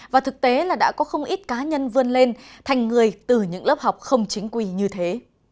và thực tế là đã có không ít cá nhân vươn lên thành người từ những lớp học không chính quỳ như thế